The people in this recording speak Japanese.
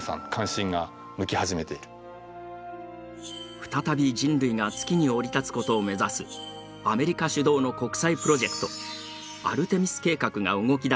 再び人類が月に降り立つことを目指すアメリカ主導の国際プロジェクトアルテミス計画が動きだしている。